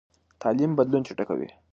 تعلیم بدلون چټکوي.